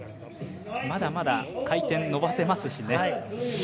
まだまだ回転、のばせますしね。